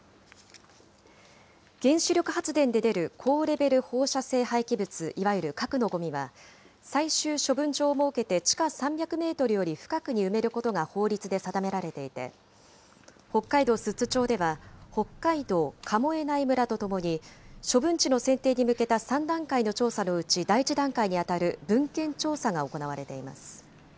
原子力発電で出る高レベル放射性廃棄物、いわゆる核のごみは、最終処分場を設けて地下３００メートルより深くに埋めることが法律で定められていて、北海道寿都町では、北海道神恵内村とともに、処分地の選定に向けた３段階の調査のうち第１段階に当たる文献調査が行われています。